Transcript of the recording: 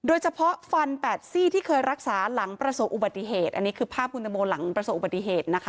ฟันแปดซี่ที่เคยรักษาหลังประสบอุบัติเหตุอันนี้คือภาพคุณตังโมหลังประสบอุบัติเหตุนะคะ